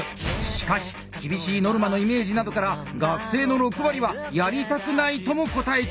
しかし厳しいノルマのイメージなどから学生の６割はやりたくないとも答えているそうです。